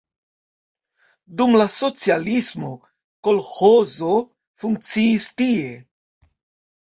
Dum la socialismo kolĥozo funkciis tie.